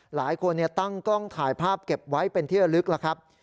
หลายคนตั้งกล้องถ่ายภาพเก็บไว้เป็นที่ระลึกแล้วครับ